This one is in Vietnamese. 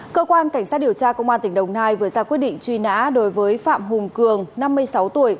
cơ quan cảnh sát điều tra công an tỉnh đồng nai vừa ra quyết định truy nã đối với phạm hùng cường năm mươi sáu tuổi